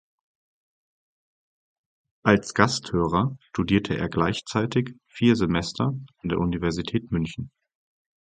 Als Gasthörer studierte er gleichzeitig vier Semester an der Universität München.